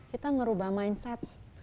kita ngerubah mindset